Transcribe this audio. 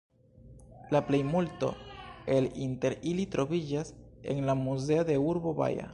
La plejmulto el inter ili troviĝas en la muzeo de urbo Baja.